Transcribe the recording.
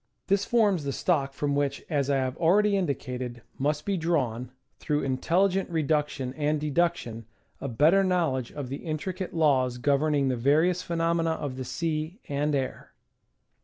This forms the stock from which, as I have already indicated, must be drawn, through intelligent reduction and deduction, a better knowledge of the intricate laws governing the various phenomena of the sea and air.